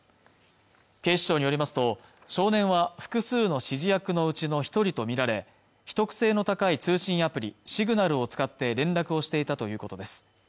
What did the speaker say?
警視庁によりますと少年は複数の指示役のうちの一人とみられ秘匿性の高い通信アプリシグナルを使って連絡をしていたということです